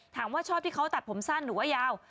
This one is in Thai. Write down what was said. ชอบที่เขาตัดผมสั้นหรือว่ายาว